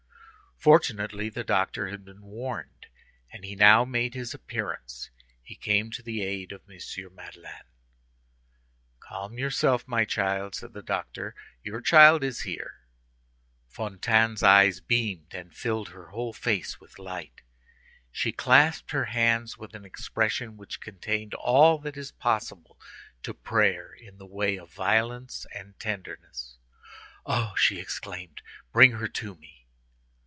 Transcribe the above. Fortunately, the doctor had been warned, and he now made his appearance. He came to the aid of M. Madeleine. "Calm yourself, my child," said the doctor; "your child is here." Fantine's eyes beamed and filled her whole face with light. She clasped her hands with an expression which contained all that is possible to prayer in the way of violence and tenderness. "Oh!" she exclaimed, "bring her to me!"